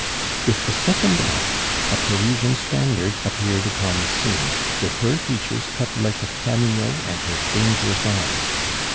With the second act, a Parisian Spaniard appeared upon the scene, with her features cut like a cameo and her dangerous eyes.